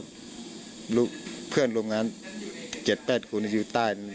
คิดว่าเพื่อนรวมงาน๗๘คนในชีวิตใต้